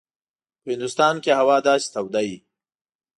په هندوستان کې هوا داسې توده وي.